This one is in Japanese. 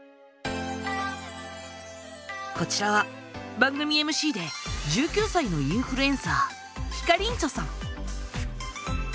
こちらは番組ＭＣで１９歳のインフルエンサーひかりんちょさん。